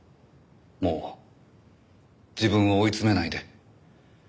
もう自分を追い詰めないで。